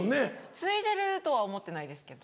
継いでるとは思ってないですけど。